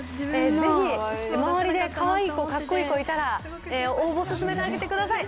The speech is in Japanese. ぜひ周りでかわいい子、かっこいい子いたら、応募を勧めてあげてください。